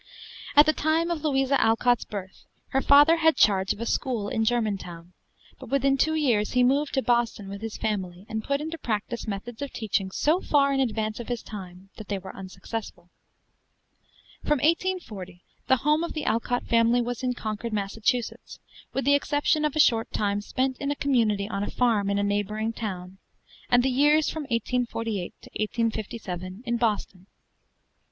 At the time of Louisa Alcott's birth her father had charge of a school in Germantown; but within two years he moved to Boston with his family, and put into practice methods of teaching so far in advance of his time that they were unsuccessful. From 1840, the home of the Alcott family was in Concord, Massachusetts, with the exception of a short time spent in a community on a farm in a neighboring town, and the years from 1848 to 1857 in Boston.